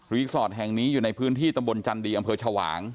สอดแห่งนี้อยู่ในพื้นที่ตำบลจันดีอำเภอชวาง